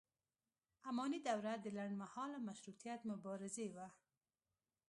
اماني دوره د لنډ مهاله مشروطیت مبارزې وه.